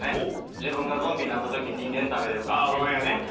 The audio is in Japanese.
自分がゾンビになったとき人間食べれるか。